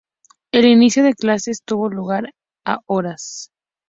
El inicio de clases tuvo lugar a Hrs.